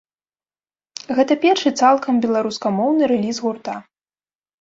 Гэта першы цалкам беларускамоўны рэліз гурта.